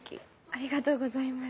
ありがとうございます。